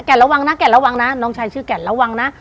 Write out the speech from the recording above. ระวังนะแก่ระวังนะน้องชายชื่อแก่นระวังนะ